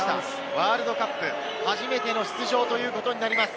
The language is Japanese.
ワールドカップ初めての出場ということになります。